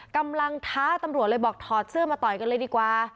ท้าตำรวจเลยบอกถอดเสื้อมาต่อยกันเลยดีกว่า